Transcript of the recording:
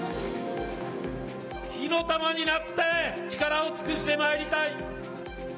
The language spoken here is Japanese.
火の玉になって、力を尽くしてまいりたい。